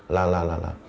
là là là là